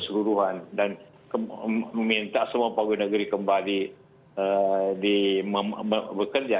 keseluruhan dan meminta semua panggung negeri kembali bekerja